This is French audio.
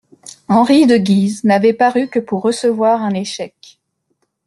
Henri de Guise n'avait paru que pour recevoir un échec.